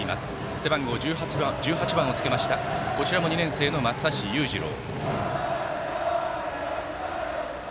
背番号１８番をつけたこちらも２年生の松橋裕次郎。